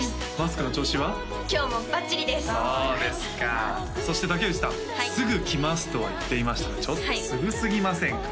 そうですかそして竹内さんすぐ来ますとは言っていましたがちょっとすぐすぎませんか？